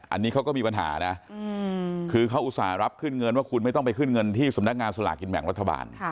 อันนี้เขาก็มีปัญหานะคือเขาอุตส่าห์รับขึ้นเงินว่าคุณไม่ต้องไปขึ้นเงินที่สำนักงานสลากกินแบ่งรัฐบาล